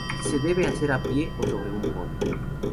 Se debe hacer a pie o sobre un poni.